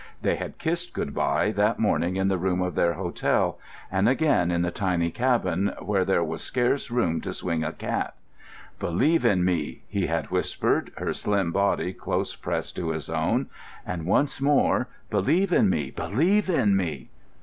They had kissed good bye that morning in the room of their hotel, and again in the tiny cabin where there was scarce room to swing a cat. "Believe in me," he had whispered, her slim body close pressed to his own; and once more "Believe in me, believe in me!"...